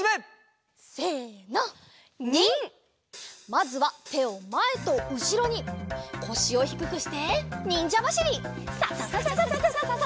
まずはてをまえとうしろにこしをひくくしてにんじゃばしり。ササササササ。